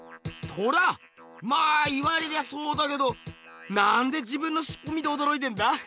まあ言われりゃそうだけどなんで自分のしっぽ見ておどろいてんだ？